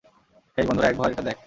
হেই, বন্ধুরা, একবার এটা দেখ।